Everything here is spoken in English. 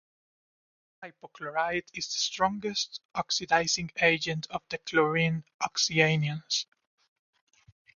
Hypochlorite is the strongest oxidizing agent of the chlorine oxyanions.